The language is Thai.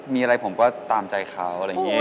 มีอะไรผมก็ตามใจเขาอะไรอย่างนี้